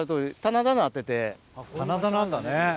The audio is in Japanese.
棚田なんだね。